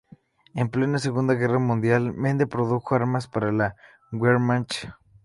En plena Segunda guerra mundial, Mende produjo armas para la Wehrmacht.